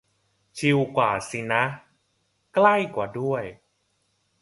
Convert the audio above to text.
ชิวกว่าสินะ ใกล้กว่าด้วย